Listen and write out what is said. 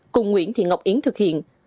cùng nguyễn thị ngọc yến thực hiện